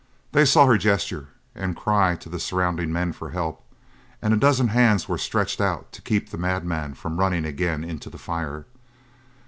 They saw her gesture and cry to the surrounding men for help, and a dozen hands were stretched out to keep the madman from running again into the fire.